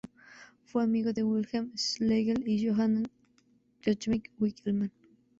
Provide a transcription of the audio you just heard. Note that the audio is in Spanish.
Fue amigo de Wilhelm Schlegel y Johann Joachim Winckelmann.